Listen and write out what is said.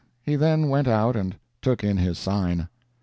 He then went out and took in his sign.